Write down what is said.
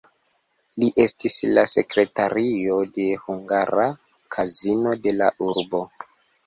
Li estis la sekretario de hungara kazino de la urbo.